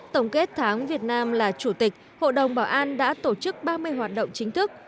tổng kết tháng việt nam là chủ tịch hội đồng bảo an đã tổ chức ba mươi hoạt động chính thức